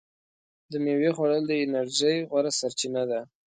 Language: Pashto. د میوې خوړل د انرژۍ غوره سرچینه ده.